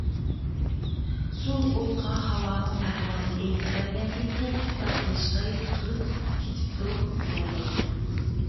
سۇ ئوتقا ھاۋانىڭ ئەھۋالىنى ئېيتىپ بەرگەندىن كېيىن تۇپراقتىن شىكايەت قىلىپ كېتىپتۇ، دېگەندەك.